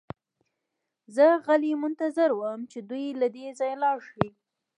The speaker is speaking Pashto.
زه غلی منتظر وم چې دوی له دې ځایه لاړ شي